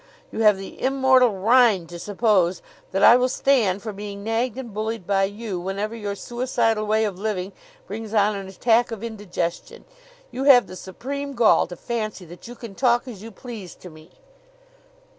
You have the immortal rind to suppose that I will stand for being nagged and bullied by you whenever your suicidal way of living brings on an attack of indigestion! You have the supreme gall to fancy that you can talk as you please to me!